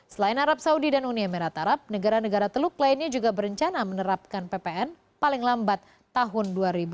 selain arab saudi dan uni emirat arab negara negara teluk lainnya juga berencana menerapkan ppn paling lambat tahun dua ribu dua puluh